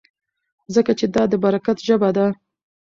ځکه چې دا د برکت ژبه ده.